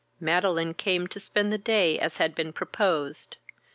Madeline came to spend the day as had been proposed.